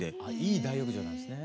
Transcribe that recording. いい大浴場なんですね。